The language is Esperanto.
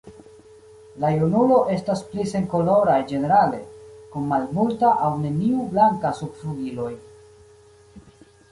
La junulo estas pli senkoloraj ĝenerale, kun malmulta aŭ neniu blanka en subflugiloj.